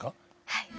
はい。